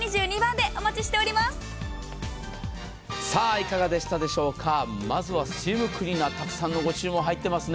いかがでしたでしょうか、まずはスチームクリーナー、たくさんのご注文入っていますね。